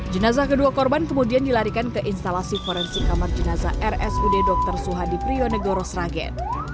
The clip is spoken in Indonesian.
jenazah kedua korban kemudian dilarikan ke instalasi forensik kamar jenazah rsud dr suhadi priyo negoro sragen